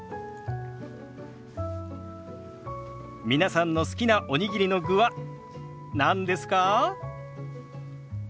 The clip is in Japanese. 皆さんの好きなおにぎりの具は何ですか？